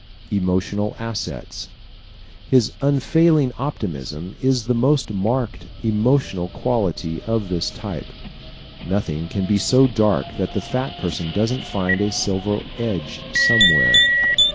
Emotional Assets ¶ His unfailing optimism is the most marked emotional quality of this type. Nothing can be so dark that the fat person doesn't find a silver edge somewhere.